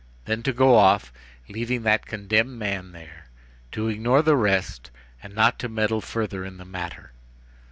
then to go off, leaving that condemned man there, to ignore the rest and not to meddle further in the matter.